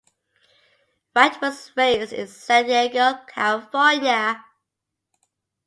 Wright was raised in San Diego, California.